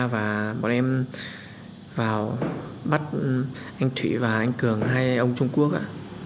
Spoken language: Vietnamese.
và bọn em vào bắt anh thủy và anh cường hai ông trung quốc ạ